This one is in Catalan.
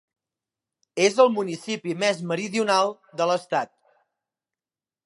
És el municipi més meridional de l'estat.